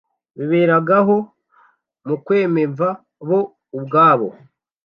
Biberagaho mu kwimenva bo ubwabo.